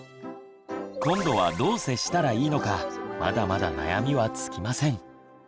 今度はどう接したらいいのかまだまだ悩みは尽きません。